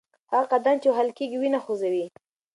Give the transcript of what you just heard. هغه قدم چې وهل کېږي وینه خوځوي.